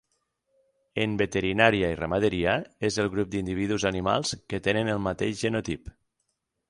En veterinària i ramaderia és el grup d'individus animals que tenen el mateix genotip.